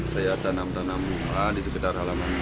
saya tanam tanam bunga di sekitar halaman ini